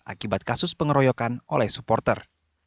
akibat kasus pengeroyokan oleh supporter